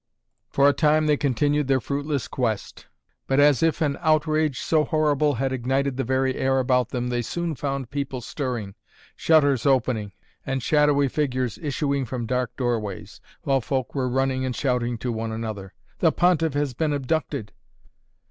For a time they continued their fruitless quest. But as if an outrage so horrible had ignited the very air about them, they soon found people stirring, shutters opening and shadowy figures issuing from dark doorways, while folk were running and shouting to one another: "The Pontiff has been abducted!"